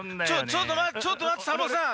ちょっとまってちょっとまってサボさん。